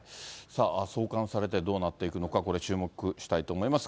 送還されてどうなっていくのか、これ、注目したいと思います。